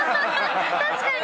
確かに。